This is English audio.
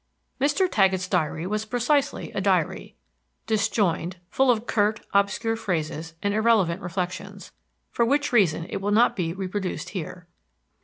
XX Mr. Taggett's diary was precisely a diary, disjoined, full of curt, obscure phrases and irrelevant reflections, for which reason it will not be reproduced here.